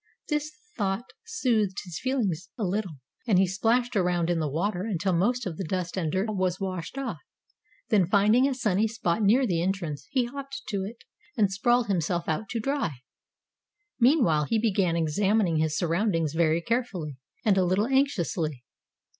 This thought soothed his feelings a little, and he splashed around in the water until most of the dust and dirt was washed off. Then finding a sunny spot near the entrance, he hopped to it, and sprawled himself out to dry. Meanwhile, he began examining his surroundings very carefully, and a little anxiously.